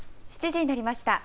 ７時になりました。